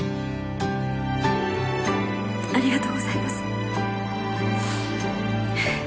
ありがとうございますううっ。